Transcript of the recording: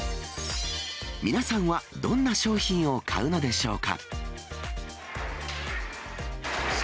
皆さんはどんな商品を買うのでしょうか。